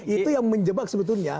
itu yang menjebak sebetulnya